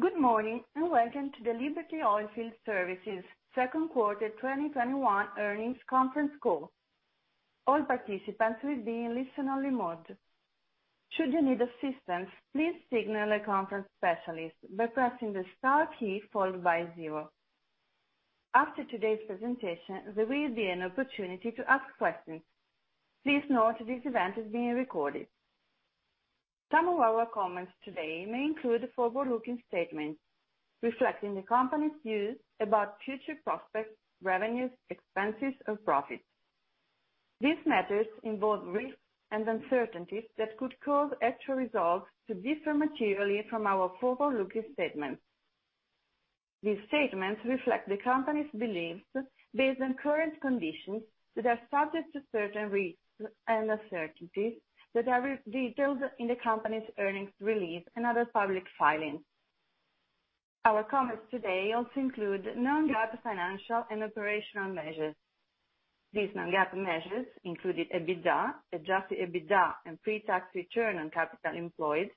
Good morning, and welcome to the Liberty Oilfield Services Second Quarter 2021 Earnings Conference Call. All participants will be in listen-only mode. Should you need assistance, please signal a conference specialist by pressing the star key followed by zero. After today's presentation, there will be an opportunity to ask questions. Please note this event is being recorded. Some of our comments today may include forward-looking statements reflecting the company's views about future prospects, revenues, expenses, and profits. These matters involve risks and uncertainties that could cause actual results to differ materially from our forward-looking statements. These statements reflect the company's beliefs based on current conditions that are subject to certain risks and uncertainties that are detailed in the company's earnings release and other public filings. Our comments today also include non-GAAP financial and operational measures. These non-GAAP measures, including EBITDA, Adjusted EBITDA, and pre-tax return on capital employed,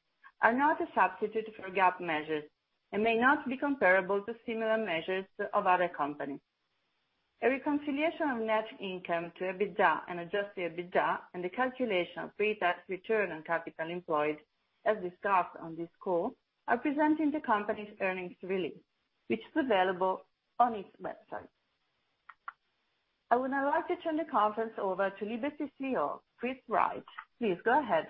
are not a substitute for GAAP measures and may not be comparable to similar measures of other companies. A reconciliation of net income to EBITDA and Adjusted EBITDA and the calculation of pre-tax return on capital employed, as discussed on this call, are presented in the company's earnings release, which is available on its website. I would now like to turn the conference over to Liberty CEO, Chris Wright. Please go ahead.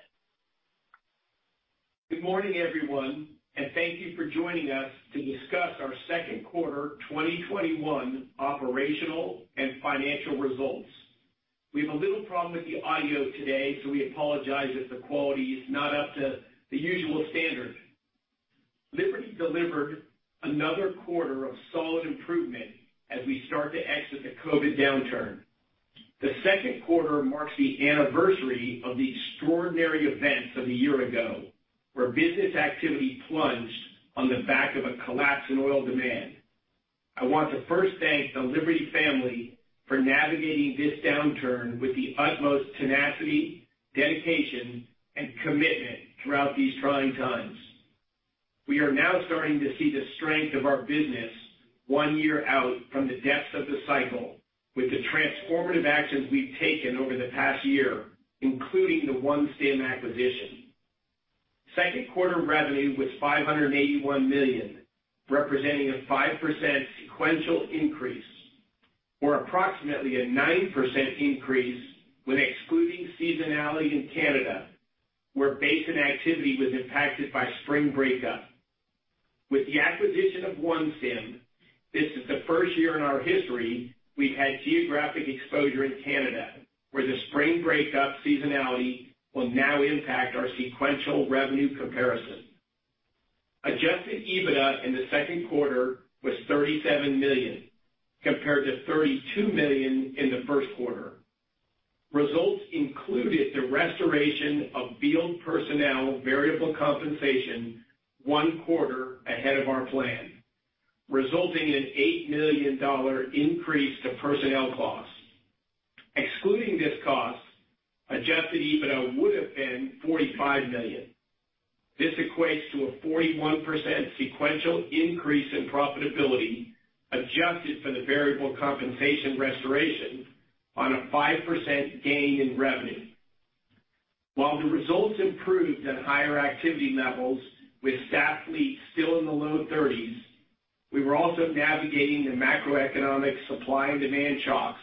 Good morning, everyone, thank you for joining us to discuss our second quarter 2021 operational and financial results. We have a little problem with the audio today, so we apologize if the quality is not up to the usual standard. Liberty delivered another quarter of solid improvement as we start to exit the COVID downturn. The second quarter marks the anniversary of the extraordinary events of the year ago, where business activity plunged on the back of a collapse in oil demand. I want to first thank the Liberty family for navigating this downturn with the utmost tenacity, dedication, and commitment throughout these trying times. We are now starting to see the strength of our business one year out from the depths of the cycle with the transformative actions we've taken over the past year, including the OneStim acquisition. Second quarter revenue was $581 million, representing a 5% sequential increase or approximately a 9% increase when excluding seasonality in Canada, where basin activity was impacted by spring breakup. With the acquisition of OneStim, this is the first year in our history we've had geographic exposure in Canada, where the spring breakup seasonality will now impact our sequential revenue comparison. Adjusted EBITDA in the second quarter was $37 million compared to $32 million in the first quarter. Results included the restoration of field personnel variable compensation one quarter ahead of our plan, resulting in an $8 million increase to personnel costs. Excluding this cost, Adjusted EBITDA would've been $45 million. This equates to a 41% sequential increase in profitability adjusted for the variable compensation restoration on a 5% gain in revenue. While the results improved at higher activity levels with staffed fleets still in the low 30s, we were also navigating the macroeconomic supply and demand shocks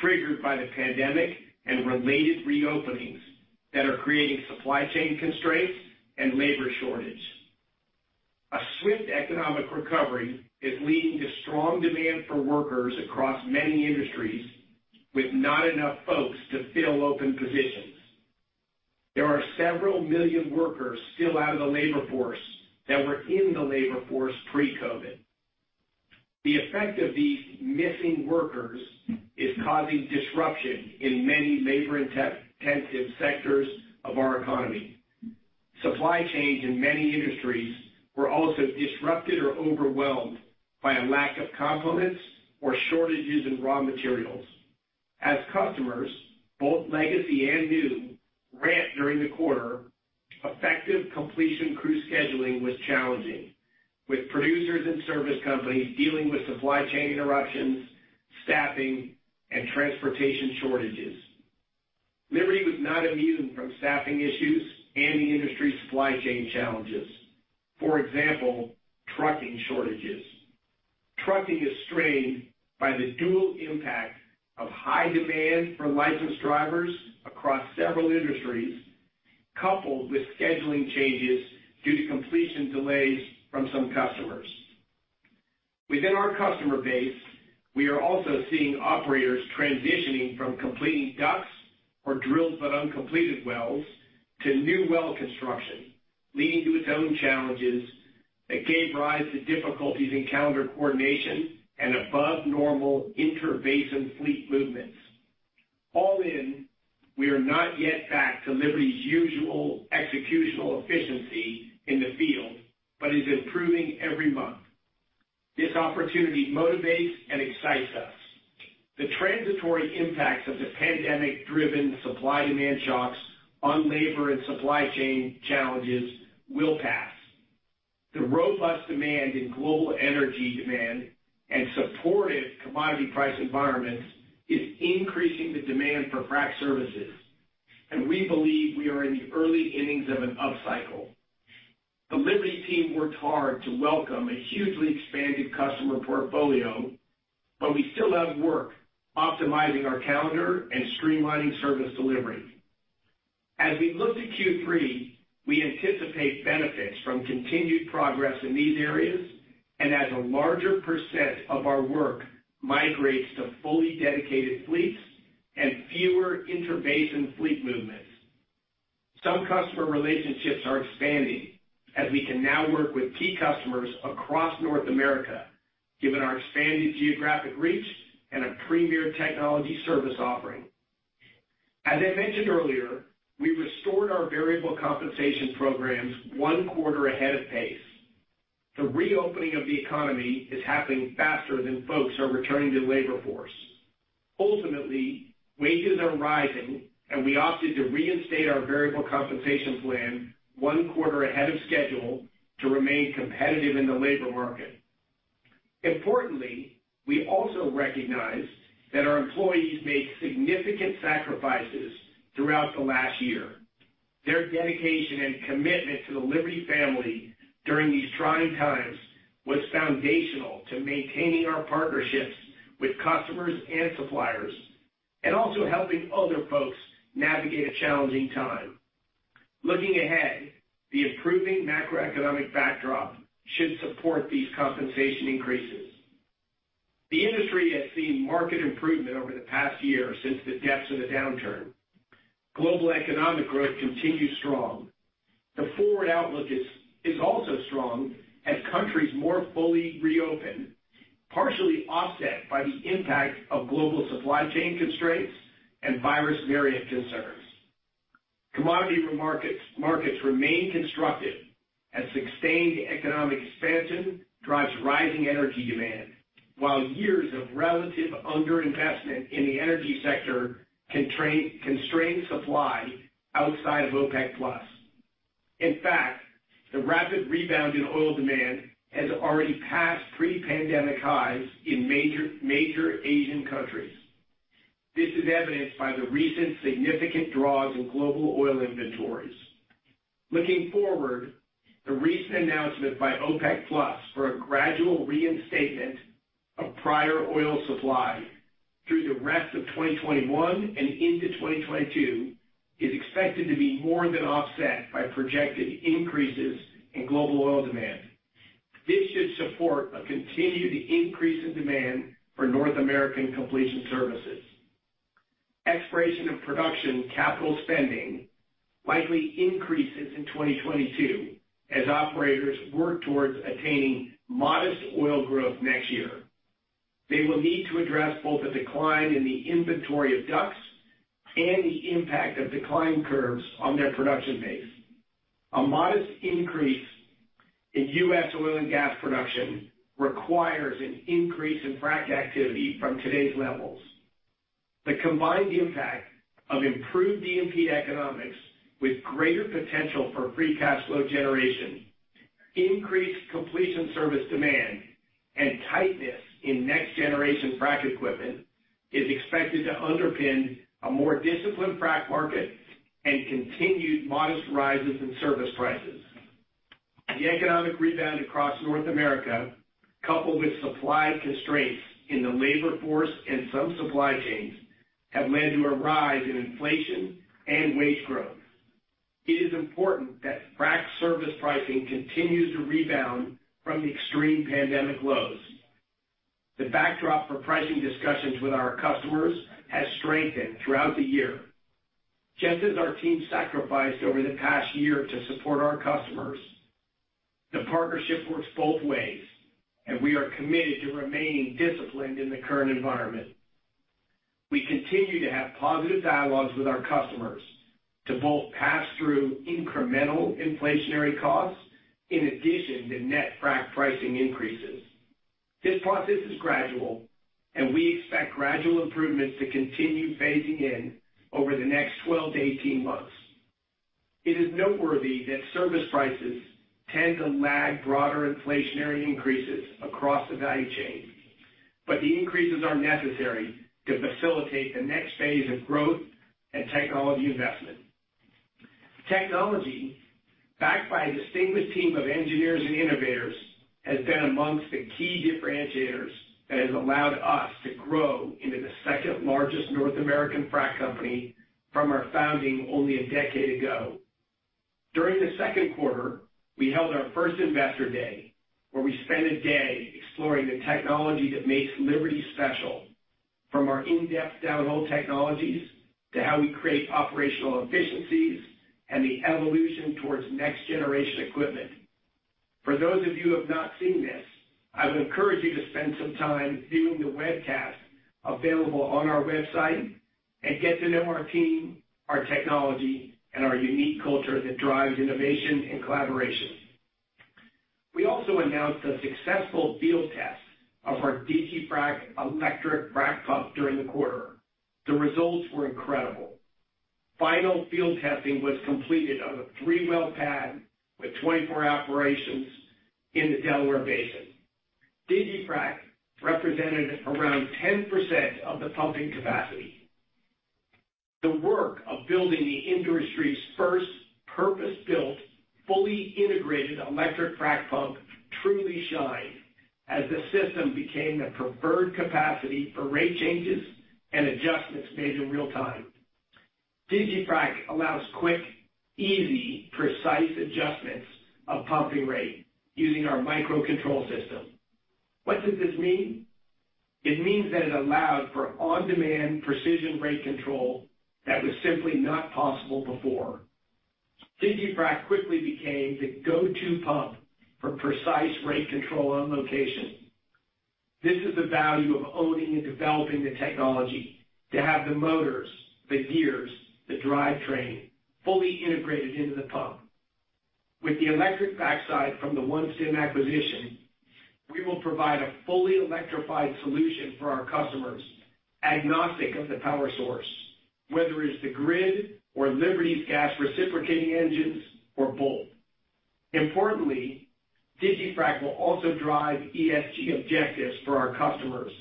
triggered by the pandemic and related reopenings that are creating supply chain constraints and labor shortage. A swift economic recovery is leading to strong demand for workers across many industries with not enough folks to fill open positions. There are several million workers still out of the labor force that were in the labor force pre-COVID. The effect of these missing workers is causing disruption in many labor-intensive sectors of our economy. Supply chains in many industries were also disrupted or overwhelmed by a lack of components or shortages in raw materials. As customers, both legacy and new, ramped during the quarter, effective completion crew scheduling was challenging, with producers and service companies dealing with supply chain interruptions, staffing, and transportation shortages. Liberty was not immune from staffing issues and the industry supply chain challenges. For example, trucking shortages. Trucking is strained by the dual impact of high demand for licensed drivers across several industries, coupled with scheduling changes due to completion delays from some customers. Within our customer base, we are also seeing operators transitioning from completing DUCs, or drilled but uncompleted wells, to new well construction, leading to its own challenges that gave rise to difficulties in calendar coordination and above normal inter-basin fleet movements. All in, we are not yet back to Liberty's usual executional efficiency in the field, but is improving every month. This opportunity motivates and excites us. The transitory impacts of the pandemic-driven supply-demand shocks on labor and supply chain challenges will pass. The robust demand in global energy demand and supportive commodity price environments is increasing the demand for frac services, and we believe we are in the early innings of an upcycle. The Liberty team worked hard to welcome a hugely expanded customer portfolio, but we still have work optimizing our calendar and streamlining service delivery. As we look to Q3, we anticipate benefits from continued progress in these areas and as a larger percent of our work migrates to fully dedicated fleets and fewer inter-basin fleet movements. Some customer relationships are expanding as we can now work with key customers across North America, given our expanded geographic reach and a premier technology service offering. As I mentioned earlier, I restored our variable compensation programs one quarter ahead of pace. The reopening of the economy is happening faster than folks are returning to the labor force. Ultimately, wages are rising, and we opted to reinstate our variable compensation plan one quarter ahead of schedule to remain competitive in the labor market. Importantly, we also recognize that our employees made significant sacrifices throughout the last year. Their dedication and commitment to the Liberty family during these trying times was foundational to maintaining our partnerships with customers and suppliers and also helping other folks navigate a challenging time. Looking ahead, the improving macroeconomic backdrop should support these compensation increases. The industry has seen market improvement over the past year since the depths of the downturn. Global economic growth continues strong. The forward outlook is also strong as countries more fully reopen, partially offset by the impact of global supply chain constraints and virus variant concerns. Commodity markets remain constructive as sustained economic expansion drives rising energy demand, while years of relative underinvestment in the energy sector constrain supply outside of OPEC+. In fact, the rapid rebound in oil demand has already passed pre-pandemic highs in major Asian countries. This is evidenced by the recent significant draws in global oil inventories. Looking forward, the recent announcement by OPEC+ for a gradual reinstatement of prior oil supply through the rest of 2021 and into 2022 is expected to be more than offset by projected increases in global oil demand. This should support a continued increase in demand for North American completion services. Exploration and production capital spending likely increases in 2022 as operators work towards attaining modest oil growth next year. They will need to address both the decline in the inventory of DUCs and the impact of decline curves on their production base. A modest increase in U.S. oil and gas production requires an increase in frac activity from today's levels. The combined impact of improved E&P economics with greater potential for free cash flow generation, increased completion service demand, and tightness in next generation frac equipment is expected to underpin a more disciplined frac market and continued modest rises in service prices. The economic rebound across North America, coupled with supply constraints in the labor force and some supply chains, have led to a rise in inflation and wage growth. It is important that frac service pricing continues to rebound from the extreme pandemic lows. The backdrop for pricing discussions with our customers has strengthened throughout the year. Just as our team sacrificed over the past year to support our customers, the partnership works both ways, and we are committed to remaining disciplined in the current environment. We continue to have positive dialogues with our customers to both pass through incremental inflationary costs in addition to net frac pricing increases. This process is gradual, and we expect gradual improvements to continue phasing in over the next 12-18 months. It is noteworthy that service prices tend to lag broader inflationary increases across the value chain, but the increases are necessary to facilitate the next phase of growth and technology investment. Technology, backed by a distinguished team of engineers and innovators, has been amongst the key differentiators that has allowed us to grow into the second largest North American frac company from our founding only a decade ago. During the second quarter, we held our first Investor Day, where we spent a day exploring the technology that makes Liberty special, from our in-depth downhole technologies to how we create operational efficiencies and the evolution towards next-generation equipment. For those of you who have not seen this, I would encourage you to spend some time viewing the webcast available on our website. Get to know our team, our technology, and our unique culture that drives innovation and collaboration. We also announced a successful field test of our digiFrac electric frac pump during the quarter. The results were incredible. Final field testing was completed on a three-well pad with 24 operations in the Delaware Basin. digiFrac represented around 10% of the pumping capacity. The work of building the industry's first purpose-built, fully integrated electric frac pump truly shined as the system became the preferred capacity for rate changes and adjustments made in real time. digiFrac allows quick, easy, precise adjustments of pumping rate using our microcontrol system. What does this mean? It means that it allowed for on-demand precision rate control that was simply not possible before. digiFrac quickly became the go-to pump for precise rate control on location. This is the value of owning and developing the technology to have the motors, the gears, the drivetrain, fully integrated into the pump. With the electric backside from the OneStim acquisition, we will provide a fully electrified solution for our customers, agnostic of the power source, whether it's the grid or Liberty's gas reciprocating engines, or both. Importantly, DigiFrac will also drive ESG objectives for our customers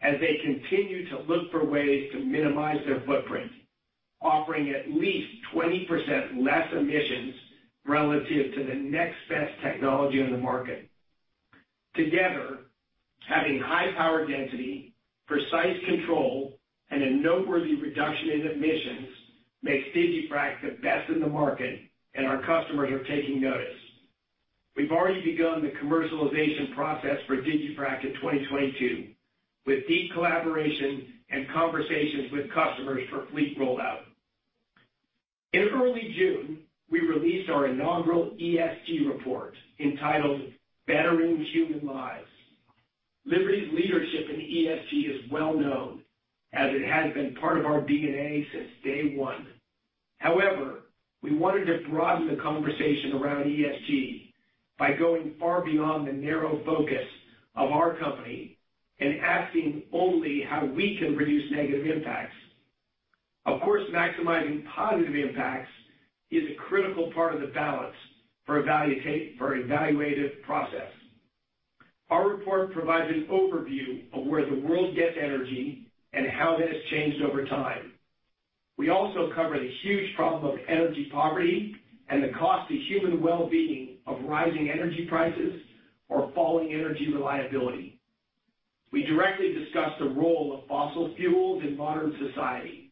as they continue to look for ways to minimize their footprint, offering at least 20% less emissions relative to the next best technology on the market. Together, having high power density, precise control, and a noteworthy reduction in emissions makes DigiFrac the best in the market, and our customers are taking notice. We've already begun the commercialization process for digiFrac in 2022 with deep collaboration and conversations with customers for fleet rollout. In early June, we released our inaugural ESG report entitled Bettering Human Lives. Liberty's leadership in ESG is well-known, as it has been part of our DNA since day one. However, we wanted to broaden the conversation around ESG by going far beyond the narrow focus of our company and asking only how we can reduce negative impacts. Of course, maximizing positive impacts is a critical part of the balance for evaluative process. Our report provides an overview of where the world gets energy and how that has changed over time. We also cover the huge problem of energy poverty and the cost to human wellbeing of rising energy prices or falling energy reliability. We directly discuss the role of fossil fuels in modern society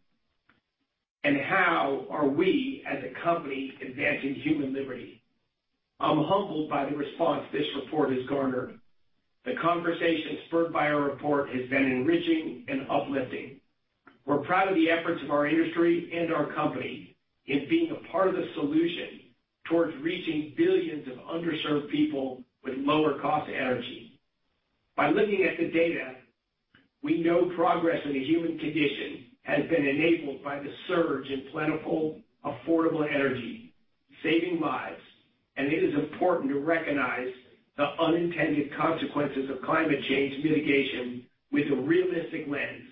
and how are we as a company advancing human liberty. I'm humbled by the response this report has garnered. The conversation spurred by our report has been enriching and uplifting. We're proud of the efforts of our industry and our company in being a part of the solution towards reaching billions of underserved people with lower cost energy. By looking at the data, we know progress in the human condition has been enabled by the surge in plentiful, affordable energy, saving lives, and it is important to recognize the unintended consequences of climate change mitigation with a realistic lens.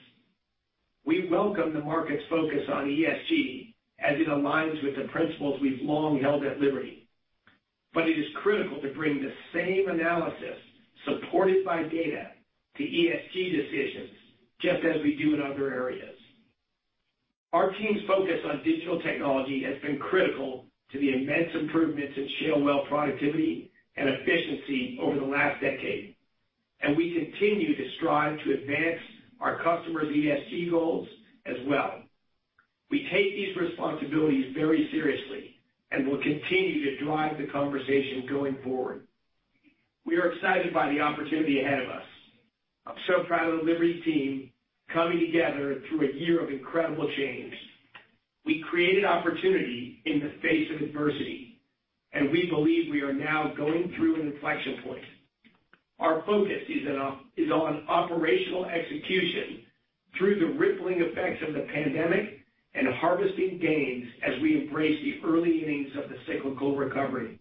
We welcome the market's focus on ESG as it aligns with the principles we've long held at Liberty. It is critical to bring the same analysis, supported by data, to ESG decisions, just as we do in other areas. Our team's focus on digital technology has been critical to the immense improvements in shale well productivity and efficiency over the last decade, and we continue to strive to advance our customers' ESG goals as well. We take these responsibilities very seriously and will continue to drive the conversation going forward. We are excited by the opportunity ahead of us. I'm so proud of the Liberty team coming together through a year of incredible change. We created opportunity in the face of adversity, and we believe we are now going through an inflection point. Our focus is on operational execution through the rippling effects of the pandemic and harvesting gains as we embrace the early innings of the cyclical recovery.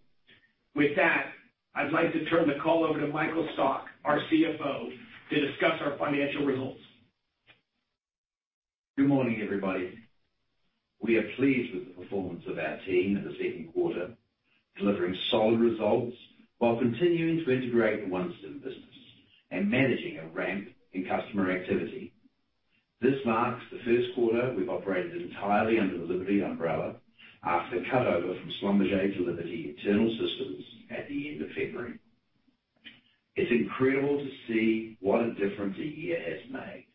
With that, I'd like to turn the call over to Michael Stock, our CFO, to discuss our financial results. Good morning, everybody. We are pleased with the performance of our team in the second quarter, delivering solid results while continuing to integrate the OneStim business and managing a ramp in customer activity. This marks the first quarter we've operated entirely under the Liberty umbrella after cutover from Schlumberger to Liberty internal systems at the end of February. It's incredible to see what a difference a year has made.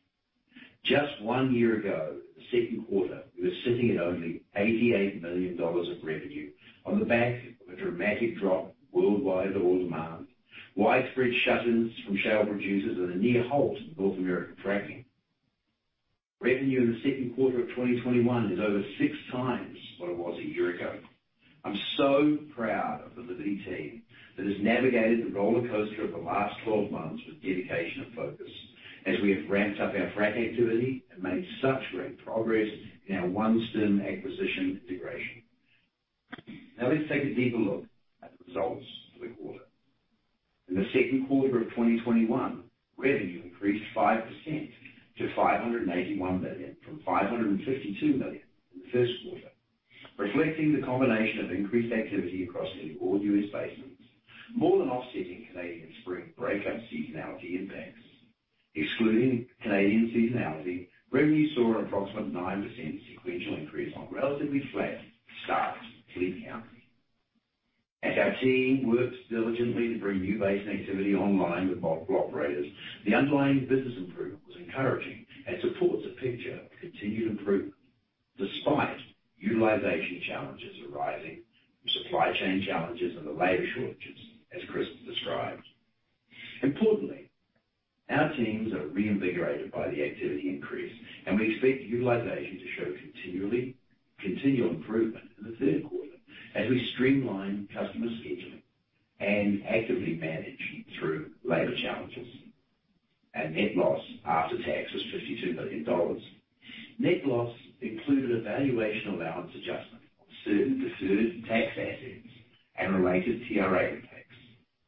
Just one year ago, the second quarter, we were sitting at only $88 million of revenue on the back of a dramatic drop worldwide in oil demand, widespread shut-ins from shale producers, and a near halt in North American fracking. Revenue in the second quarter of 2021 is over 6x what it was a year ago. I'm so proud of the Liberty team that has navigated the rollercoaster of the last 12 months with dedication and focus as we have ramped up our frac activity and made such great progress in our OneStim acquisition integration. Let's take a deeper look at the results for the quarter. In the second quarter of 2021, revenue increased 5% to $581 million from $552 million in the first quarter, reflecting the combination of increased activity across all U.S. basins, more than offsetting Canadian spring breakup seasonality impacts. Excluding Canadian seasonality, revenue saw an approximate 9% sequential increase on relatively flat, stacked fleet counts. As our team works diligently to bring new basin activity online with both operators, the underlying business improvement was encouraging and supports a picture of continued improvement despite utilization challenges arising from supply chain challenges and the labor shortages as Chris described. Importantly, our teams are reinvigorated by the activity increase, and we expect utilization to show continual improvement in the third quarter as we streamline customer scheduling and actively manage through labor challenges. Our net loss after tax was $52 million. Net loss included a valuation allowance adjustment on certain deferred tax assets and related TRA effects,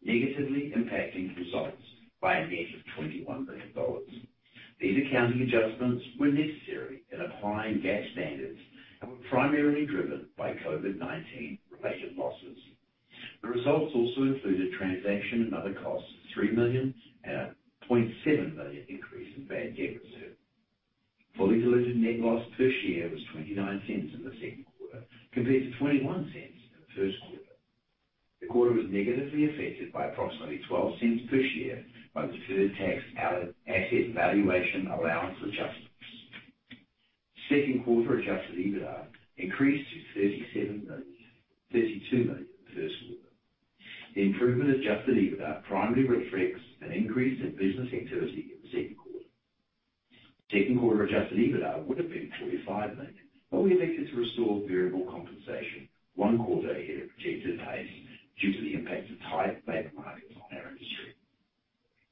negatively impacting results by a net of $21 million. These accounting adjustments were necessary in applying GAAP standards and were primarily driven by COVID-19 related losses. The results also included transaction and other costs of $3 million and a $0.7 million increase in bad debt reserve. Fully diluted net loss per share was $0.29 in the second quarter compared to $0.21 in the first quarter. The quarter was negatively affected by approximately $0.12 per share by deferred tax asset valuation allowance adjustments. Second quarter Adjusted EBITDA increased to $37 million from $32 million in the first quarter. The improvement in Adjusted EBITDA primarily reflects an increase in business activity in the second quarter. Second quarter Adjusted EBITDA would have been $45 million, but we elected to restore variable compensation one quarter ahead of projected pacing due to the impacts of tight labor markets on our industry.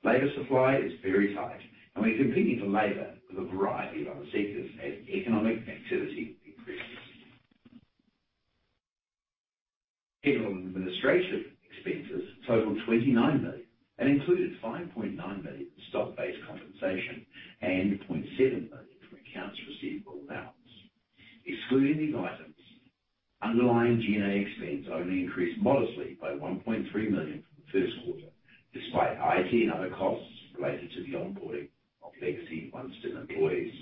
Labor supply is very tight, and we are competing for labor with a variety of other sectors as economic activity increases. General and administrative expenses totaled $29 million and included $5.9 million in stock-based compensation and $0.7 million from accounts receivable balance. Excluding these items, underlying G&A expense only increased modestly by $1.3 million from the first quarter, despite IT and other costs related to the onboarding of legacy OneStim employees.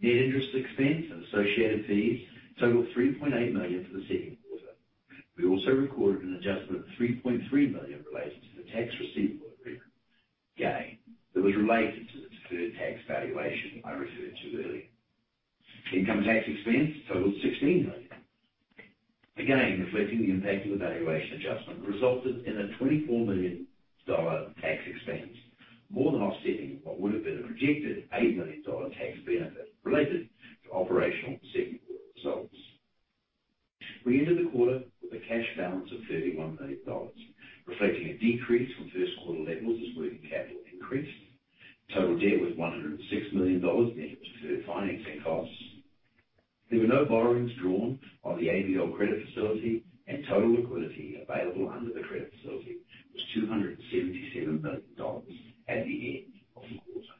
Net interest expense and associated fees totaled $3.8 million for the second quarter. We also recorded an adjustment of $3.3 million related to the tax receivable agreement, gain, that was related to the deferred tax valuation I referred to earlier. Income tax expense totaled $16 million. Again, reflecting the impact of the valuation adjustment resulted in a $24 million tax expense, more than offsetting what would have been a projected $8 million tax benefit related to operational second quarter results. We ended the quarter with a cash balance of $31 million, reflecting a decrease from first quarter levels as working capital increased. Total debt was $106 million, net of deferred financing costs. There were no borrowings drawn on the ABL credit facility, and total liquidity available under the credit facility was $277 million at the end of the quarter.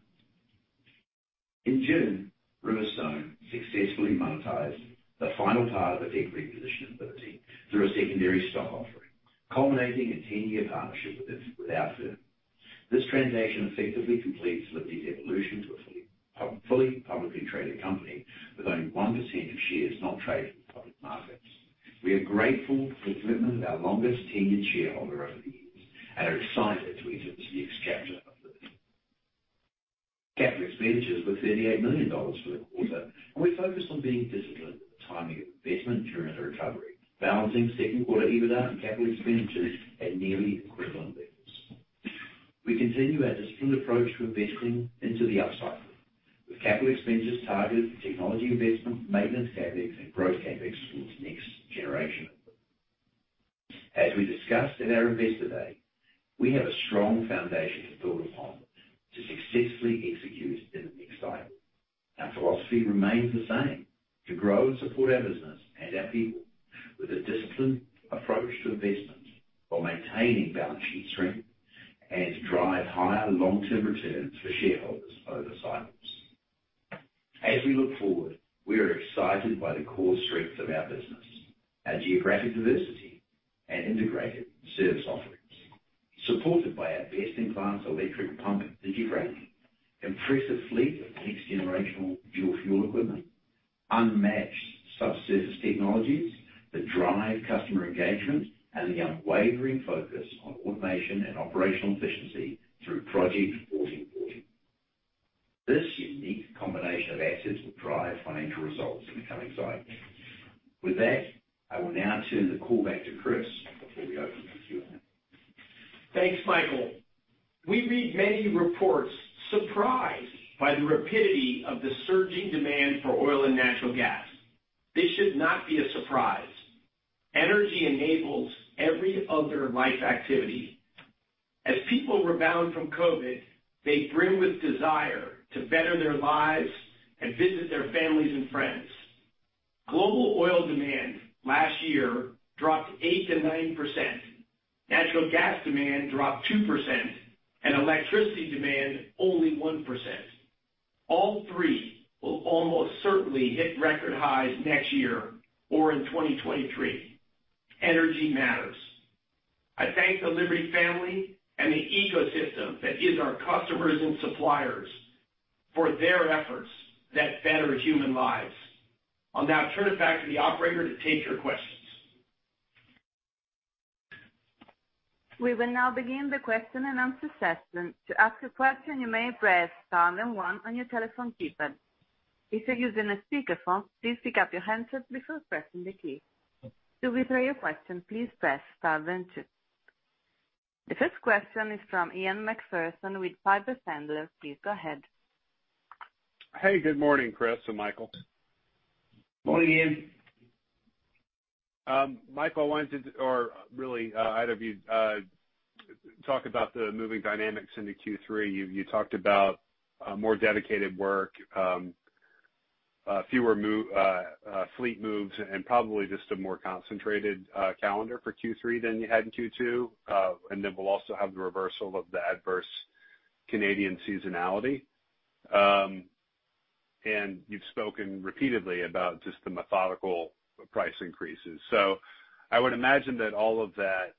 In June, Riverstone successfully monetized the final part of its equity position in Liberty through a secondary stock offering, culminating a 10-year partnership with our firm. This transaction effectively completes Liberty's evolution to a fully publicly traded company with only 1% of shares not traded in public markets. We are grateful for the commitment of our longest-tenured shareholder over the years and are excited to enter this next chapter of Liberty. Capital expenditures were $38 million for the quarter, and we are focused on being disciplined with the timing of investment during the recovery, balancing second quarter EBITDA and capital expenditures at nearly equivalent levels. We continue our disciplined approach to investing into the upcycle, with capital expenses targeted for technology investment, maintenance CapEx, and growth CapEx towards next-generation output. As we discussed at our Investor Day, we have a strong foundation to build upon to successfully execute in the next cycle. Our philosophy remains the same, to grow and support our business and our people with a disciplined approach to investment while maintaining balance sheet strength and to drive higher long-term returns for shareholders over cycles. As we look forward, we are excited by the core strengths of our business, our geographic diversity, and integrated service offerings, supported by our best-in-class electrical pumping, digiFrac, impressive fleet of next-generation dual-fuel equipment, unmatched su-service technologies that drive customer engagement, and the unwavering focus on automation and operational efficiency through Project 1440. This unique combination of assets will drive financial results in the coming cycles. With that, I will now turn the call back to Chris before we open for Q&A. Thanks, Michael. We read many reports surprised by the rapidity of the surging demand for oil and natural gas. This should not be a surprise. Energy enables every other life activity. As people rebound from COVID, they brim with desire to better their lives and visit their families and friends. Global oil demand last year dropped 8%-9%. Natural gas demand dropped 2%, and electricity demand, only 1%. All three will almost certainly hit record highs next year or in 2023. Energy matters. I thank the Liberty family and the ecosystem that is our customers and suppliers for their efforts that better human lives. I'll now turn it back to the operator to take your questions. The first question is from Ian Macpherson with Piper Sandler. Please go ahead. Hey, good morning, Chris and Michael. Morning, Ian. Michael, I wanted to, or really, either of you, talk about the moving dynamics into Q3. You talked about more dedicated work, fewer fleet moves, and probably just a more concentrated calendar for Q3 than you had in Q2. Then we'll also have the reversal of the adverse Canadian seasonality. You've spoken repeatedly about just the methodical price increases. I would imagine that all of that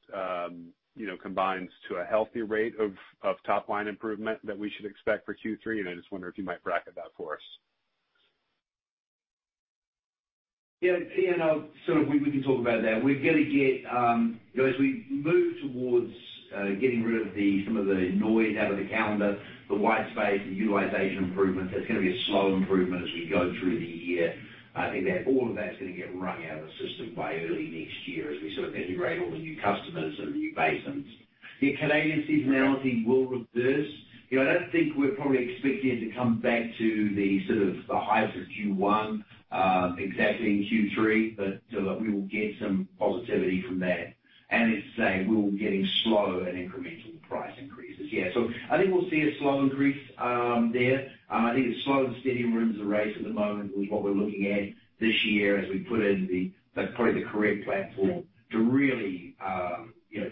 combines to a healthy rate of top-line improvement that we should expect for Q3. I just wonder if you might bracket that for us. Ian, we can talk about that. As we move towards getting rid of some of the noise out of the calendar, the white space, the utilization improvements, that's going to be a slow improvement as we go through the year. I think that all of that's going to get wrung out of the system by early next year as we integrate all the new customers and the new basins. The Canadian seasonality will reverse. I don't think we're probably expecting it to come back to the highs of Q1 exactly in Q3, but we will get some positivity from that. As you say, we're getting slow and incremental price increases. I think we'll see a slow increase there. I think the slow and steady wins the race at the moment with what we're looking at this year as we put in the correct platform to really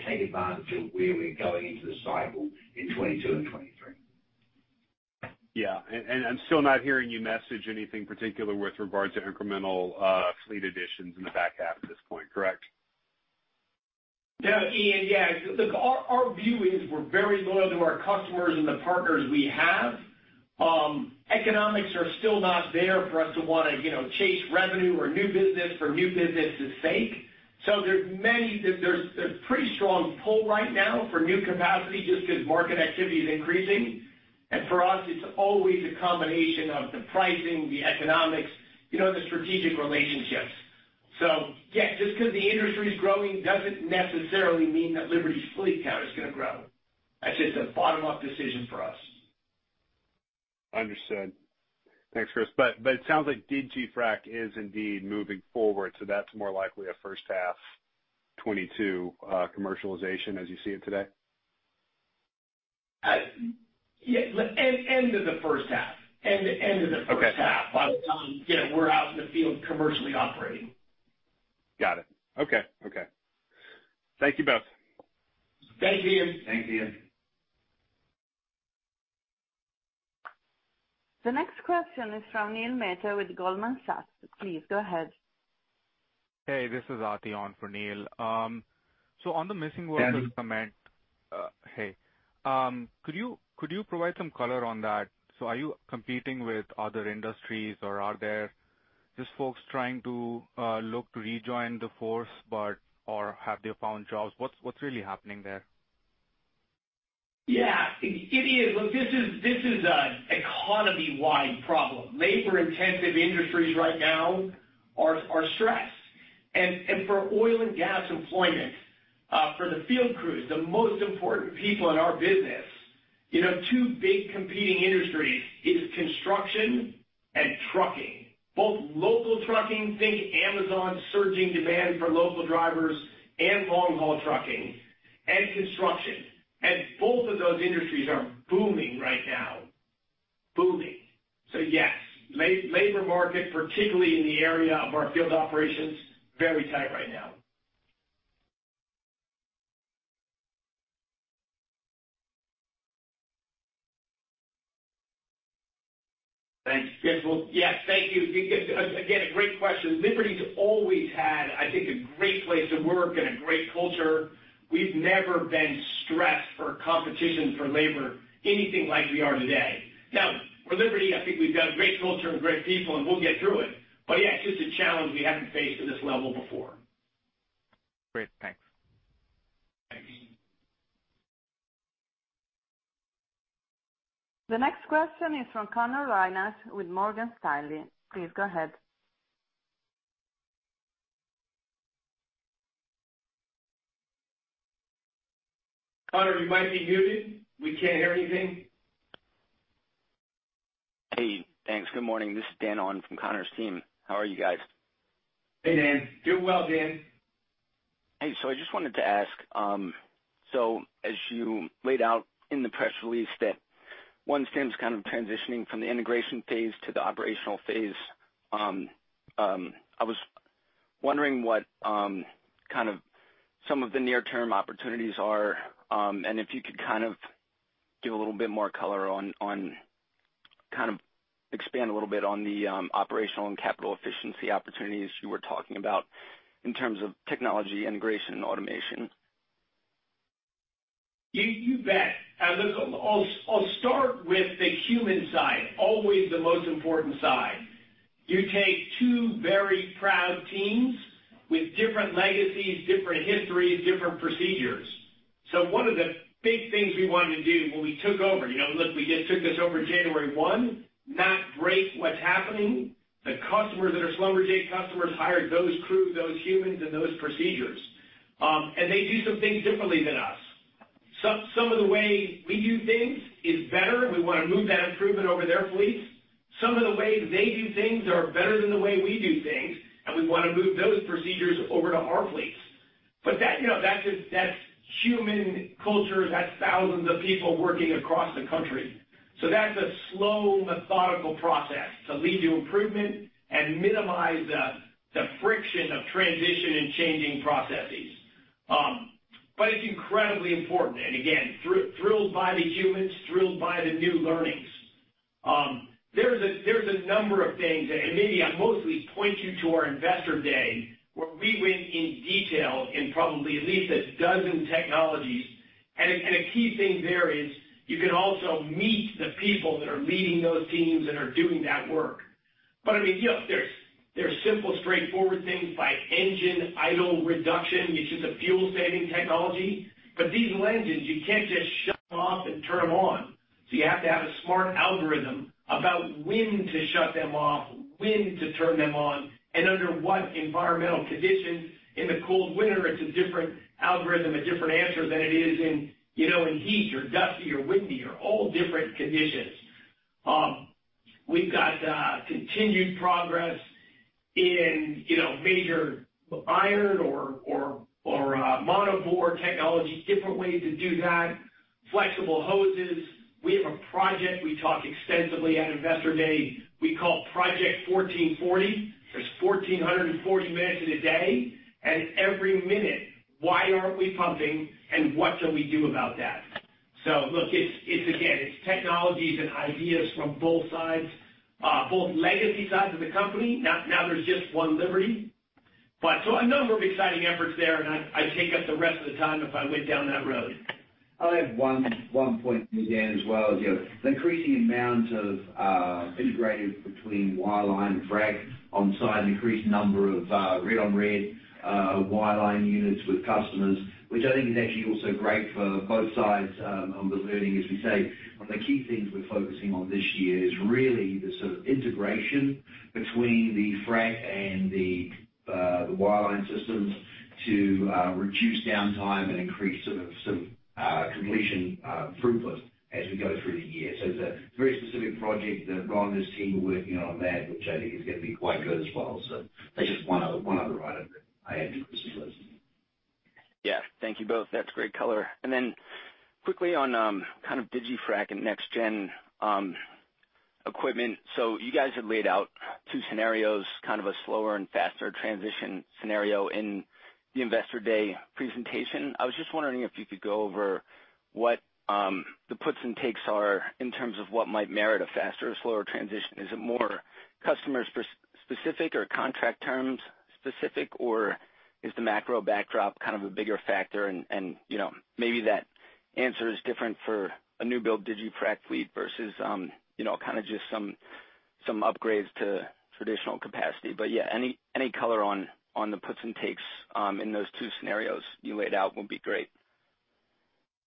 take advantage of where we're going into the cycle in 2022 and 2023. Yeah. I'm still not hearing you message anything particular with regard to incremental fleet additions in the back half at this point, correct? No, Ian. Yeah. Look, our view is we're very loyal to our customers and the partners we have. Economics are still not there for us to want to chase revenue or new business for new business's sake. There's a pretty strong pull right now for new capacity just because market activity is increasing. For us, it's always a combination of the pricing, the economics and the strategic relationships. Yeah, just because the industry is growing doesn't necessarily mean that Liberty's fleet count is going to grow. That's just a bottom-up decision for us. Understood. Thanks, Chris. It sounds like digiFrac is indeed moving forward, so that's more likely a first half 2022 commercialization as you see it today? Yeah. End of the first half. Okay. By the time we're out in the field commercially operating. Got it. Okay. Thank you both. Thanks, Ian. Thanks, Ian. The next question is from Neil Mehta with Goldman Sachs. Please go ahead. Hey, this is Ati on for Neil. On the missing workforce comment. Hey, Ati Hey. Could you provide some color on that? Are you competing with other industries, or are there just folks trying to look to rejoin the workforce, or have they found jobs? What's really happening there? Yeah. Ati, look, this is an economy-wide problem. Labor-intensive industries right now are stressed. For oil and gas employment, for the field crews, the most important people in our business, two big competing industries is construction and trucking. Both local trucking, think Amazon surging demand for local drivers, and long-haul trucking and construction. Both of those industries are booming right now. Booming. Yes, labor market, particularly in the area of our field operations, very tight right now. Thanks. Yes. Thank you. Again, a great question. Liberty's always had, I think, a great place to work and a great culture. We've never been stressed for competition for labor anything like we are today. Now, for Liberty, I think we've got a great culture and great people, and we'll get through it. Yeah, it's just a challenge we haven't faced at this level before. Great. Thanks. Thanks, Ati. The next question is from Connor Lyness with Morgan Stanley. Please go ahead. Connor, you might be muted. We can't hear anything. Hey, thanks. Good morning. This is Dan on from Connor's team. How are you guys? Hey, Dan. Doing well, Dan. Hey, I just wanted to ask, as you laid out in the press release that OneStim kind of transitioning from the integration phase to the operational phase, I was wondering what some of the near-term opportunities are, and if you could kind of give a little bit more color. Kind of expand a little bit on the operational and capital efficiency opportunities you were talking about in terms of technology integration and automation. You bet. I'll start with the human side, always the most important side. You take two very proud teams with different legacies, different histories, different procedures. One of the big things we wanted to do when we took over, look, we just took this over January 1, not break what's happening. The customers that are Schlumberger customers hired those crews, those humans, and those procedures. They do some things differently than us. Some of the ways we do things is better. We want to move that improvement over their fleets. Some of the ways they do things are better than the way we do things, we want to move those procedures over to our fleets. That's human culture. That's thousands of people working across the country. That's a slow, methodical process to lead to improvement and minimize the friction of transition and changing processes. It's incredibly important. Again, thrilled by the humans, thrilled by the new learnings. There's a number of things, and maybe I mostly point you to our Investor Day, where we went in detail in probably at least a dozen technologies. A key thing there is you can also meet the people that are leading those teams and are doing that work. There's simple, straightforward things like engine idle reduction. It's just a fuel-saving technology. These lenses, you can't just shut off and turn them on. You have to have a smart algorithm about when to shut them off, when to turn them on, and under what environmental conditions. In the cold winter, it's a different algorithm, a different answer than it is in heat or dusty or windy or all different conditions. We've got continued progress in major iron or monobore technology, different ways to do that, flexible hoses. We have a project we talk extensively at Investor Day, we call Project 1440. There's 1,440 minutes in a day, and every minute, why aren't we pumping and what do we do about that? Look, again, it's technologies and ideas from both sides, both legacy sides of the company. Now there's just one Liberty. A number of exciting efforts there, and I'd take up the rest of the time if I went down that road. I'll add one point to Dan as well. The increasing amount of integrated between wireline and frac on site, and increased number of ride-on-red wireline units with customers, which I think is actually also great for both sides on the learning. As we say, one of the key things we're focusing on this year is really the sort of integration between the frac and the wireline systems to reduce downtime and increase some completion throughput as we go through the year. It's a very specific project that Ron and his team are working on that, which I think is going to be quite good as well. That's just one other item that I have specifically. Yeah. Thank you both. That's great color. Quickly on kind of DigiFrac and next gen equipment. You guys have laid out two scenarios, kind of a slower and faster transition scenario in the Investor Day presentation. I was just wondering if you could go over what the puts and takes are in terms of what might merit a faster or slower transition. Is it more customer specific or contract terms specific? Is the macro backdrop kind of a bigger factor? Maybe that answer is different for a new build DigiFrac fleet versus kind of just some upgrades to traditional capacity. Yeah, any color on the puts and takes in those two scenarios you laid out would be great.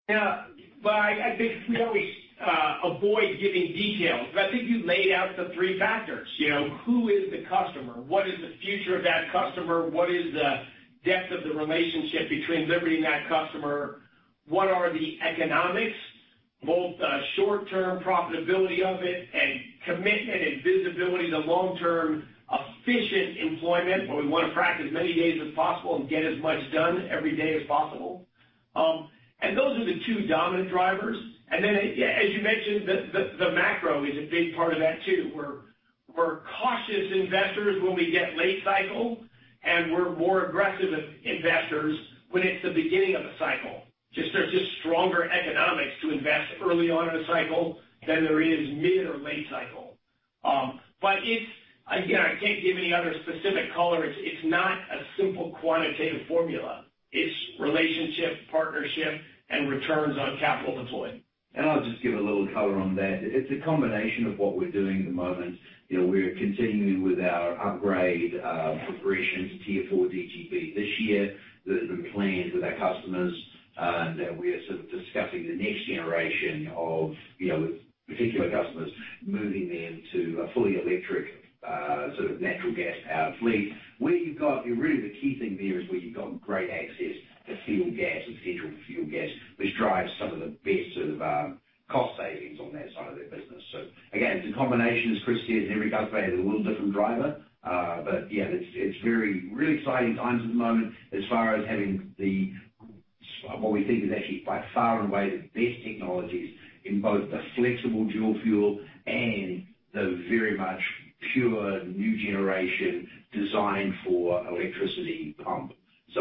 I think we always avoid giving details. I think you laid out the three factors. Who is the customer? What is the future of that customer? What is the depth of the relationship between Liberty and that customer? What are the economics, both short-term profitability of it and commitment and visibility to long-term efficient employment, where we want to frac as many days as possible and get as much done every day as possible? Those are the two dominant drivers. As you mentioned, the macro is a big part of that, too, where we're cautious investors when we get late cycle and we're more aggressive investors when it's the beginning of a cycle. There's just stronger economics to invest early on in a cycle than there is mid or late cycle. Again, I can't give any other specific color. It's not a simple quantitative formula. It's relationship, partnership, and returns on capital deployed. I'll just give a little color on that. It's a combination of what we're doing at the moment. We're continuing with our upgrade progression to Tier IV DGB this year that has been planned with our customers. We are sort of discussing the next generation of, with particular customers, moving them to a fully electric sort of natural gas powered fleet, where you've got Really the key thing there is where you've got great access to fuel gas and central fuel gas, which drives some of the best sort of, cost savings on that side of their business. Again, it's a combination, as Chris said, every customer has a little different driver. Yeah, it's very exciting times at the moment as far as having the, what we think is actually by far and away the best technologies in both the flexible dual fuel and the very much pure new generation designed for electricity comb.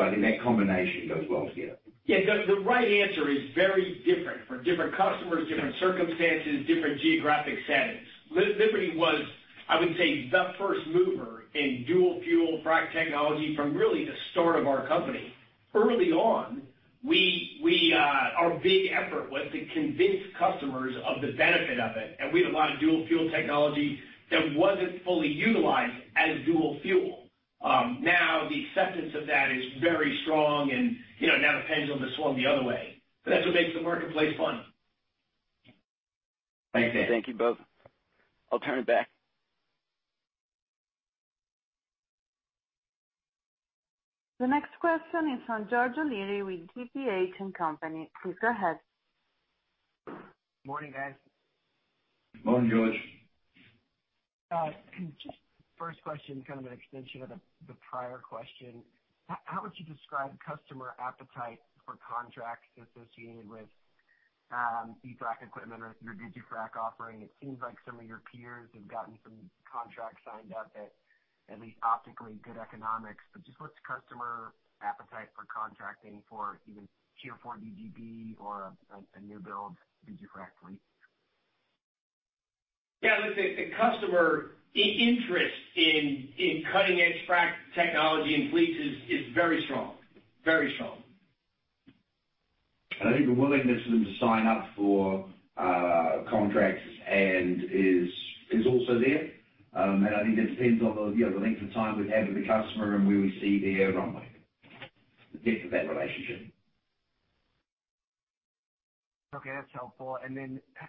I think that combination goes well together. The right answer is very different for different customers, different circumstances, different geographic settings. Liberty was, I would say, the first mover in dual fuel frac technology from really the start of our company. Early on, our big effort was to convince customers of the benefit of it, and we had a lot of dual fuel technology that wasn't fully utilized as dual fuel. Now the acceptance of that is very strong and now the pendulum has swung the other way. That's what makes the marketplace fun. Thanks. Thank you both. I'll turn it back. The next question is from George O'Leary with TPH and Company. Please go ahead. Morning, guys. Morning, George. Just first question, kind of an extension of the prior question. How would you describe customer appetite for contracts associated with, e-frac equipment or your digiFrac offering? It seems like some of your peers have gotten some contracts signed up at at least optically good economics. Just what's customer appetite for contracting for even Tier IV DGB or a new build digiFrac fleet? Look, the customer interest in cutting-edge frac technology in fleets is very strong. I think the willingness for them to sign up for contracts is also there. I think that depends on the length of time we've had with the customer and where we see their runway, the depth of that relationship. Okay, that's helpful.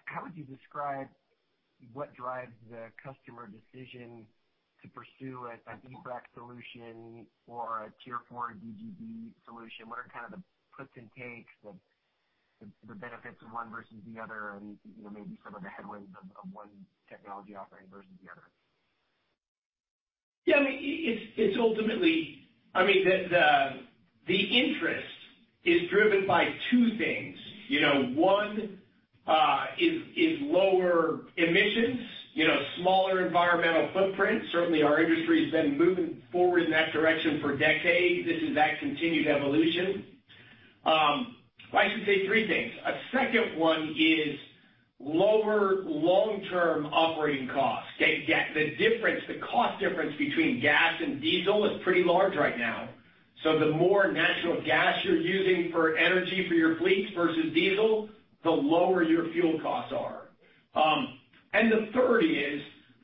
How would you describe what drives the customer decision to pursue a e-frac solution or a Tier IV DGB solution? What are kind of the puts and takes, the benefits of one versus the other and maybe some of the headwinds of one technology offering versus the other? Yeah, it's ultimately the interest is driven by two things. One is lower emissions, smaller environmental footprint. Certainly our industry has been moving forward in that direction for decades. This is that continued evolution. I should say three things. A second one is lower long-term operating costs. The cost difference between gas and diesel is pretty large right now. The more natural gas you're using for energy for your fleets versus diesel, the lower your fuel costs are. The third is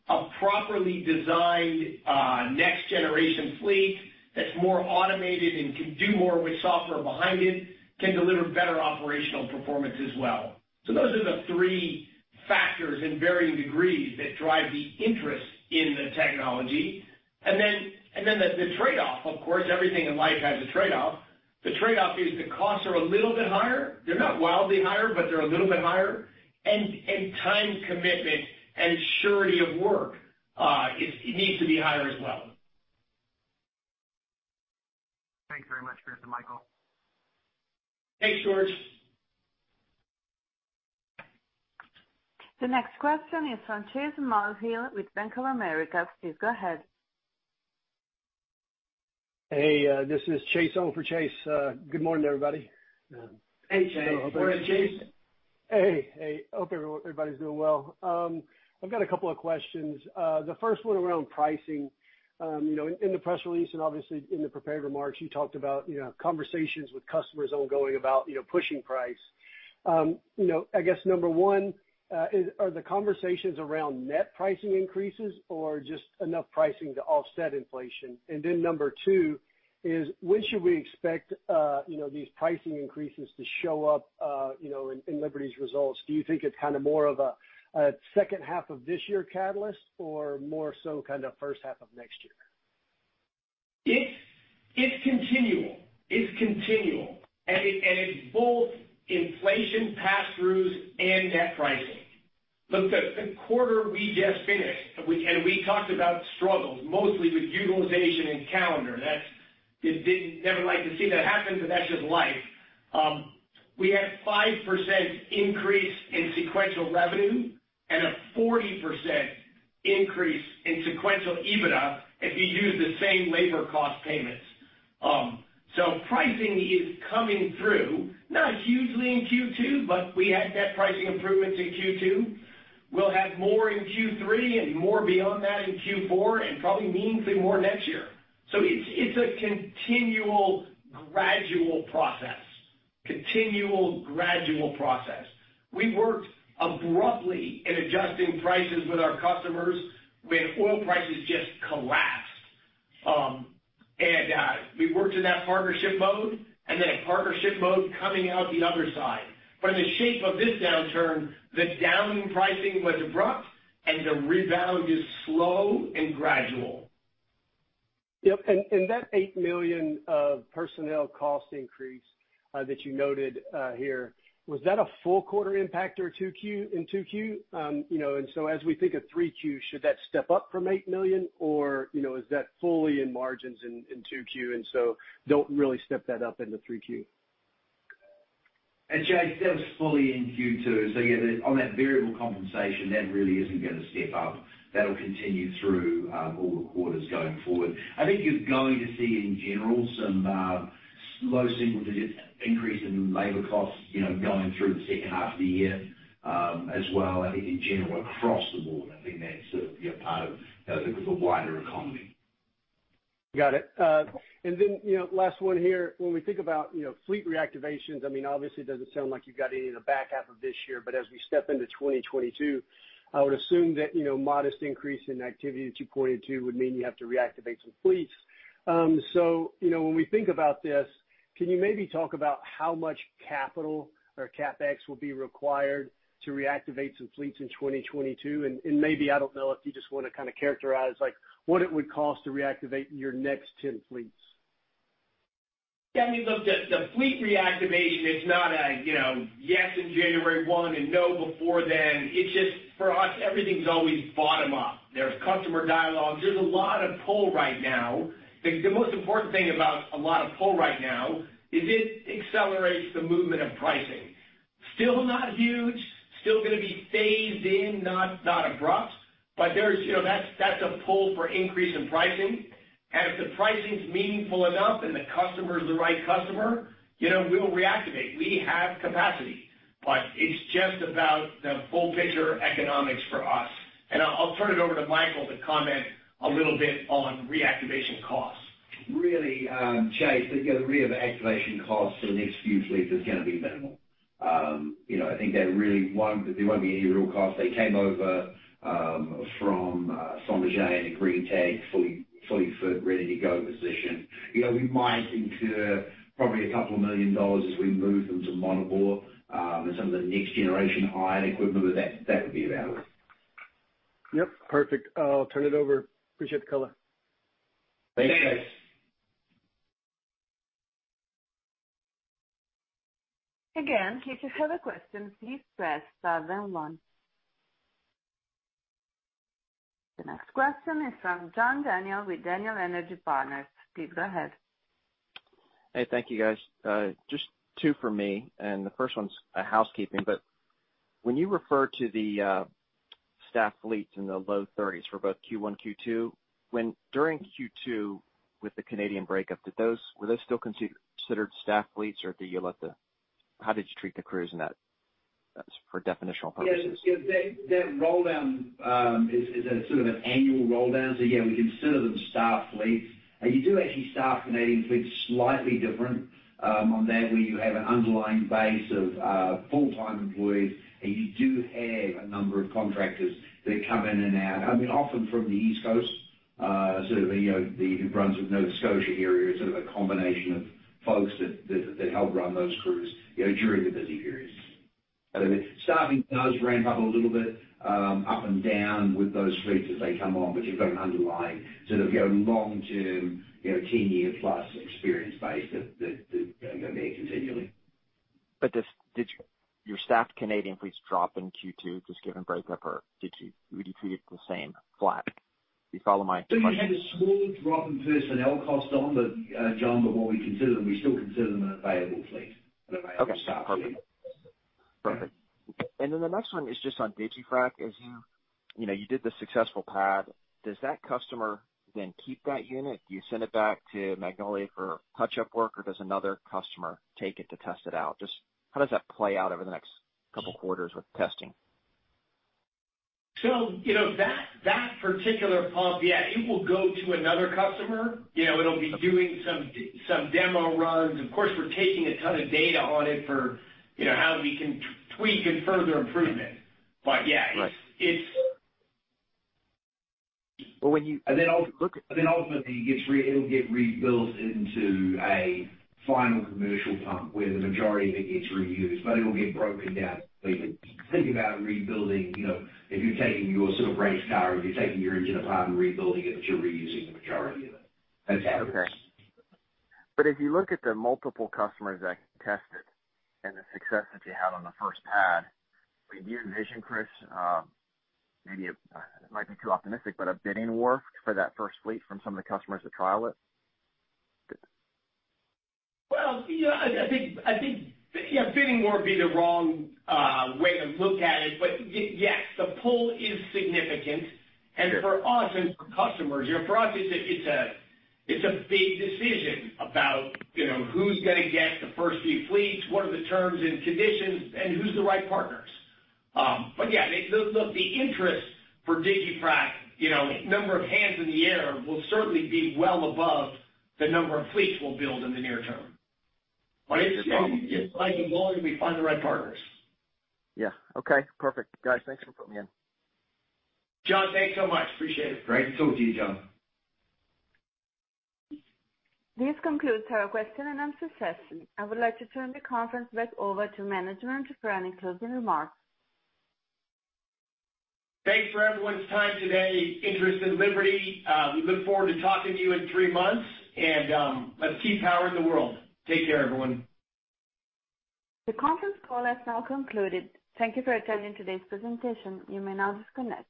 a properly designed, next-generation fleet that's more automated and can do more with software behind it, can deliver better operational performance as well. Those are the three factors in varying degrees that drive the interest in the technology. The trade-off, of course, everything in life has a trade-off. The trade-off is the costs are a little bit higher. They're not wildly higher, but they're a little bit higher. Time commitment and surety of work, it needs to be higher as well. Thanks very much, Chris and Michael. Thanks, George. The next question is from Chase Mulvehill with Bank of America. Please go ahead. Hey, this is Chase on for Chase. Good morning, everybody. Hey, Chase. Morning, Chase. Hey. Hope everybody's doing well. I've got a couple of questions. The first one around pricing. In the press release and obviously in the prepared remarks, you talked about conversations with customers ongoing about pushing price. I guess number one, are the conversations around net pricing increases or just enough pricing to offset inflation? And then number two is when should we expect these pricing increases to show up in Liberty's results? Do you think it's more of a second half of this year catalyst or more so first half of next year? It's continual. It's both inflation pass-throughs and net pricing. Look, the quarter we just finished, we talked about struggles mostly with utilization and calendar. You never like to see that happen, that's just life. We had 5% increase in sequential revenue and a 40% increase in sequential EBITDA if you use the same labor cost payments. Pricing is coming through, not hugely in Q2, we had net pricing improvements in Q2. We'll have more in Q3 and more beyond that in Q4 and probably meaningfully more next year. It's a continual gradual process. We worked abruptly in adjusting prices with our customers when oil prices just collapsed. We worked in that partnership mode and then a partnership mode coming out the other side. In the shape of this downturn, the down pricing was abrupt and the rebound is slow and gradual. Yep. That $8 million of personnel cost increase that you noted here, was that a full quarter impact in 2Q? As we think of 3Q, should that step up from $8 million or is that fully in margins in 2Q and so don't really step that up into 3Q? Chase, that was fully in Q2. On that variable compensation, that really isn't going to step up. That'll continue through all the quarters going forward. I think you're going to see in general some low single digits increase in labor costs going through the second half of the year. As well, I think in general across the board, I think that's sort of part of because the wider economy. Got it. Last one here. When we think about fleet reactivations, obviously it doesn't sound like you've got any in the back half of this year, but as we step into 2022, I would assume that modest increase in activity that you pointed to would mean you have to reactivate some fleets. When we think about this, can you maybe talk about how much capital or CapEx will be required to reactivate some fleets in 2022? Maybe, I don't know if you just want to characterize what it would cost to reactivate your next 10 fleets. I mean, look, the fleet reactivation is not a yes in January 1 and no before then. It's just, for us, everything's always bottom up. There's customer dialogues. There's a lot of pull right now. The most important thing about a lot of pull right now is it accelerates the movement of pricing. Still not huge, still going to be phased in, not abrupt, but that's a pull for increase in pricing. If the pricing's meaningful enough and the customer's the right customer, we will reactivate. We have capacity. It's just about the full picture economics for us. I'll turn it over to Michael to comment a little bit on reactivation costs. Really, Chase, the reactivation cost for the next few fleets is going to be minimal. I think there won't be any real cost. They came over from [Saint-Nazaire] in a green tag, fully fit, ready to go position. We might incur probably $2 million as we move them to monobore, and some of the next generation hired equipment, but that could be about it. Yep. Perfect. I'll turn it over. Appreciate the color. Thanks. Thanks. Again, if you have a question, please press star then one. The next question is from John Daniel with Daniel Energy Partners. Please go ahead. Hey, thank you guys. Just two from me, and the first one's a housekeeping. When you refer to the staff fleets in the low 30s for both Q1, Q2, during Q2 with the Canadian breakup, were those still considered staffed fleets? How did you treat the crews in that, for definitional purposes? Yeah. That roll down is sort of an annual roll down. Yeah, we consider them staffed fleets. You do actually staff Canadian fleets slightly different on that, where you have an underlying base of full-time employees, and you do have a number of contractors that come in and out. Often from the East Coast, sort of the New Brunswick, Nova Scotia area, sort of a combination of folks that help run those crews during the busy periods. Staffing does ramp up a little bit, up and down with those fleets as they come on, but you've got an underlying long-term, 10-year plus experience base that are there continually. Did your staffed Canadian fleets drop in Q2 just given breakup, or would you treat it the same, flat? Do you follow my question? You had a small drop in personnel cost on that, John, but what we consider them, we still consider them an available staffed fleet. Okay. Perfect. The next one is just on digiFrac. As you did the successful pad, does that customer then keep that unit? Do you send it back to Magnolia for touch-up work, or does another customer take it to test it out? Just how does that play out over the next couple quarters with testing? That particular pump, yeah, it will go to another customer. It'll be doing some demo runs. Of course, we're taking a ton of data on it for how we can tweak and further improve it. Yeah. Right. Ultimately it'll get rebuilt into a final commercial pump where the majority of it gets reused, but it'll get broken down. Think about rebuilding, if you're taking your sort of race car and you're taking your engine apart and rebuilding it, but you're reusing the majority of it. That's how it is. Okay. If you look at the multiple customers that test it and the success that you had on the first pad, do you envision, Chris, maybe it might be too optimistic, but a bidding war for that first fleet from some of the customers to trial it? Well, I think bidding war would be the wrong way to look at it. Yes, the pull is significant and for us and for customers. For us, it's a big decision about who's going to get the first few fleets, what are the terms and conditions, and who's the right partners. Yeah, look, the interest for DigiFrac, number of hands in the air will certainly be well above the number of fleets we'll build in the near term. Sure. It's only if we find the right partners. Yeah. Okay, perfect. Guys, thanks for putting me in. John, thanks so much. Appreciate it. Great to talk to you, John. This concludes our question-and-answer session. I would like to turn the conference back over to management for any closing remarks. Thanks for everyone's time today, interest in Liberty. We look forward to talking to you in three months and let's keep powering the world. Take care, everyone. The conference call has now concluded. Thank you for attending today's presentation. You may now disconnect.